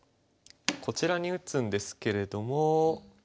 こちらに打つんですけれども。